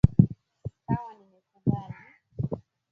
Sawa nimekubali.